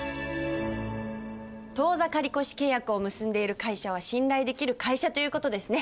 当座借越契約を結んでいる会社は「信頼できる会社」という事ですね。